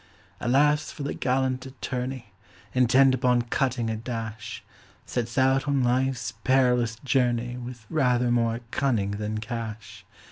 Alas! for the gallant attorney, Intent upon cutting a dash, Sets out on life's perilous journey With rather more cunning than cash.